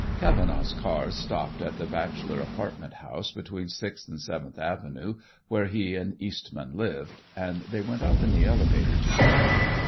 Cavenaugh's car stopped at the bachelor apartment house between Sixth and Seventh Avenues where he and Eastman lived, and they went up in the elevator together.